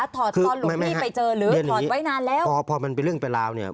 ตอนหลวงพี่ไปเจอหรือถอดไว้นานแล้วพอพอมันเป็นเรื่องเป็นราวเนี่ย